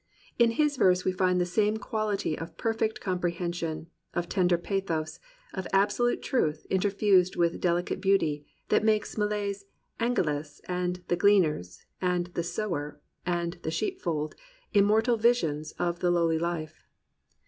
In his verse we find the same quality of perfect com prehension, of tender pathos, of absolute truth in terfused with delicate beauty that makes Millet's Angelus, and The Gleaners and The Sower and The Sheepfoldy immortal visions of the lowly life.